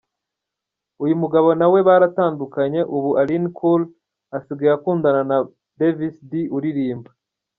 Uyu mugabo na we baratandukanye ubu Aline Cool asigaye akundana na Davis D uririmba.